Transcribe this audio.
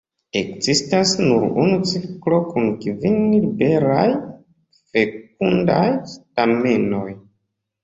Ekzistas nur unu cirklo kun kvin liberaj, fekundaj stamenoj.